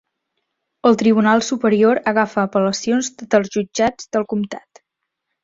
El Tribunal Superior agafa apel·lacions dels jutjats del comtat.